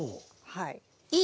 はい。